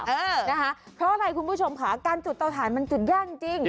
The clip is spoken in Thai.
เพราะว่าอะไรคุณผู้ชมค่ะการจุดเตาทานมันจุดยากจริง